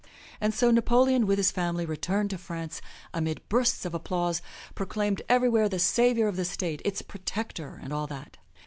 And so Napoleon with his family returned to France amid bursts of applause, proclaimed everywhere the Savior of the State, its Protector, and all that.